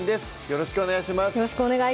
よろしくお願いします